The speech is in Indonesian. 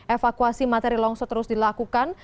evakuasi material longsor terus dilakukan